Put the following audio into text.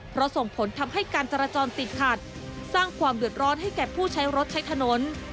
เพราะส่งผลทำให้การจราจรติดขัดสร้างความเดือดร้อนให้แก่ผู้ใช้รถใช้ถนน